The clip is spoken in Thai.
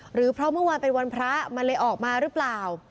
หรือเพราะเมื่อวานเป็นวันพระมันเลยออกมาหรือเปล่า